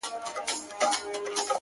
• له ماښامه تر سهاره یې غپله -